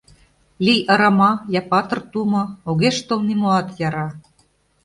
Лий арама я патыр тумо, Огеш тол нимоат яра.